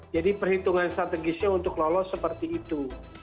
jadi perhitungan strategisnya untuk lolos seperti itu